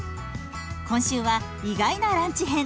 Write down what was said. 今週は意外なランチ編。